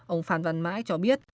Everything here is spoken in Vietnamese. ông phan văn mãi cho biết